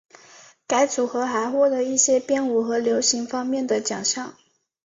该组合还获得一些编舞和流行方面的奖项。